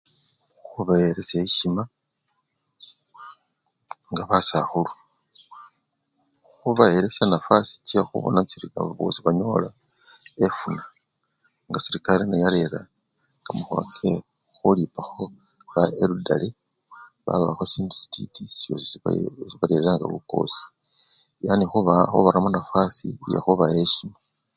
Khubaelesya esyima nga basakhulu, khubaelesya nafasi chekhubona khuri nabo bosi banyola efuna nga serekari neyarera kamakhuwa kekhulipakho ba elidale babawakho sindu sititi syo! si! balanga lukosi, yani khubawakho! khubaramo nyafwasi yekhubawa esyima.